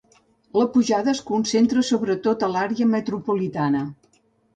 La pujada es concentra sobretot a l'àrea metropolitana